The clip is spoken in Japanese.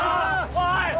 おい！